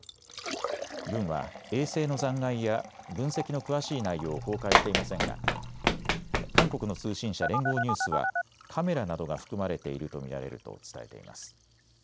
軍は衛星の残骸や分析の詳しい内容を公開していませんが韓国の通信社、連合ニュースはカメラなどが含まれていると見られると伝えています。